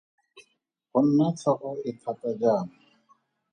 Go nna tlhogo e thata jaana.